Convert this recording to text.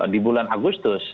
di bulan agustus